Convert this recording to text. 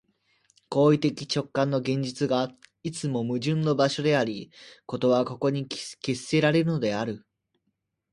行為的直観の現実が、いつも矛盾の場所であり、事はここに決せられるのである。